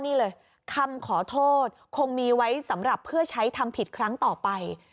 นี่เลยคำขอโทษคงมีไว้สำหรับเพื่อใช้ทำผิดครั้งต่อไป